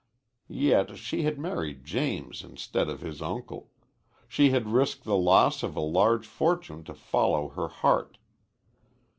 Yet she had married James instead of his uncle. She had risked the loss of a large fortune to follow her heart.